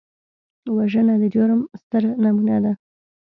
وژنه د جرم ستره نمونه ده